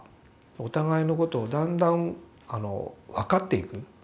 お互いのことをだんだん分かっていく。